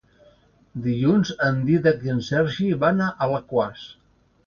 Dilluns en Dídac i en Sergi van a Alaquàs.